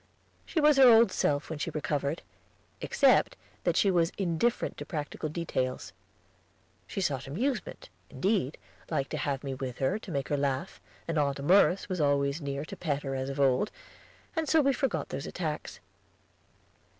She was her old self when she recovered, except that she was indifferent to practical details. She sought amusement, indeed, liked to have me with her to make her laugh, and Aunt Merce was always near to pet her as of old, and so we forgot those attacks.